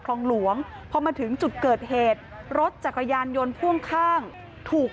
คลองหลวงพอมาถึงจุดเกิดเหตุรถจักรยานยนต์พ่วงข้างถูก